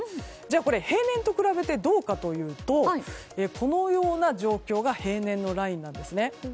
これ、平年と比べてどうかというとこのような状況が平年のラインなんですね。